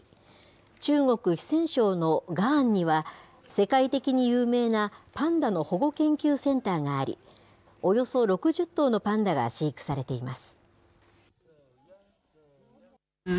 中国・四川省の雅安には、世界的に有名な、パンダの保護研究センターがあり、およそ６０頭のパンダが飼育されています。